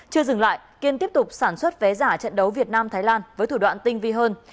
chưa dừng lại kiên tiếp tục sản xuất vé giả trận đấu việt nam thái lan với thủ đoạn tinh vi hơn